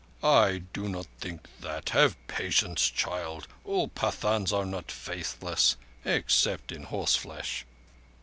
"I do not think that. Have patience, child. All Pathans are not faithless—except in horseflesh."